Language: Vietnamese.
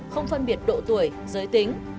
không phân biệt độ tuổi giới tính